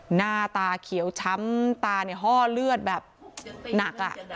หน้าตาเขียวช้ำตาห้อเลือดแบบหนัก